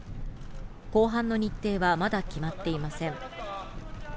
公判の日程はまだ決まっていません。